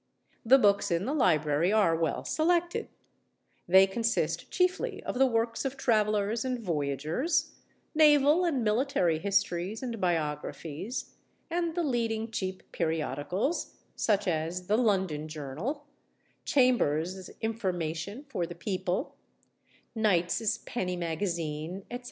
The books in the library are well selected: they consist chiefly of the works of travellers and voyagers, naval and military histories and biographies, and the leading cheap periodicals—such as The London Journal, Chambers's Information for the People, Knight's Penny Magazine, &c.